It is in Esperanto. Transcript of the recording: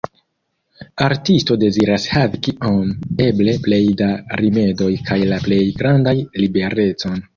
Artisto deziras havi kiom eble plej da rimedoj kaj la plej grandan liberecon.